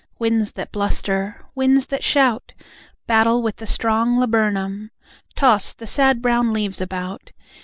Winds that bluster, winds that shout, Battle with the strong laburnum, Toss the sad brown leaves about.